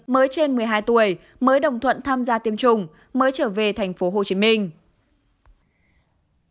mới trên một mươi hai tuổi mới đồng thuận tham gia tiêm chủng mới trở về thành phố hồ chí minh